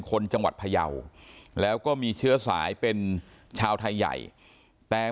คนจังหวัดพยาวแล้วก็มีเชื้อสายเป็นชาวไทยใหญ่แต่